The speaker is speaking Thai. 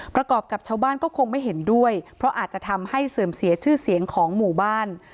ประกอบกับชาวบ้านก็คงไม่เห็นด้วยเพราะอาจจะทำให้เสื่อมเสียชื่อเสียงของหมู่บ้าน